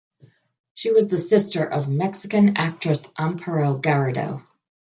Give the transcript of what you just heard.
She was the sister of Mexican actress Amparo Garrido.